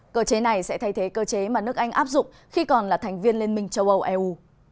cơ chế này sẽ thay thế cơ chế mà nước anh áp dụng khi còn là thành viên liên minh châu âu eu